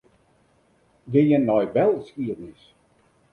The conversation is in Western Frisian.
Gean nei belskiednis.